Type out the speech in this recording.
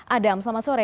adam selamat sore